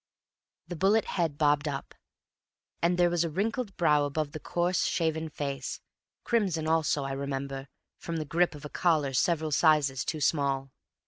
The bullet head bobbed up, and there was a wrinkled brow above the coarse, shaven face, crimson also, I remember, from the grip of a collar several sizes too small.